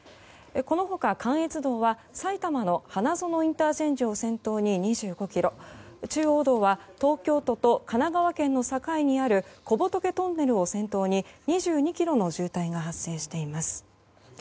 この他、関越道は埼玉の花園ＩＣを先頭に２５ｋｍ中央道は東京都と神奈川県の境にある小仏トンネルを先頭に２２ｋｍの渋滞が発生しています。